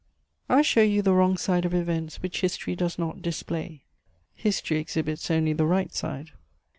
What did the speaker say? I show you the wrong side of events which history does not display: history exhibits only the right side.